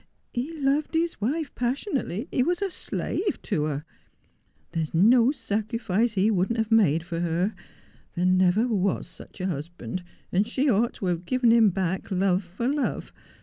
He loved his wife passionately — he was a slave to her. There is no sacrifice he would not have made for her. There never was such a husband, and she ought to have given him back love for love.